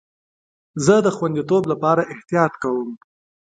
زه د خوندیتوب لپاره احتیاط کوم.